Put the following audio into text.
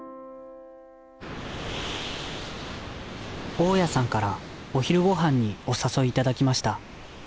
大家さんからお昼ご飯にお誘い頂きました。